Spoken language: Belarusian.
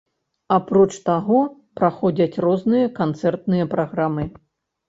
Апроч таго, праходзяць розныя канцэртныя праграмы.